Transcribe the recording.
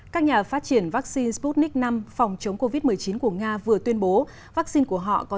các nhà phát triển vaccine sputnik v phòng chống covid một mươi chín của nga vừa tuyên bố vaccine của họ có